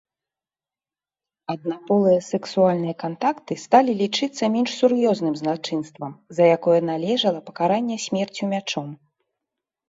Аднаполыя сексуальныя кантакты сталі лічыцца менш сур'ёзным злачынствам, за якое належыла пакаранне смерцю мячом.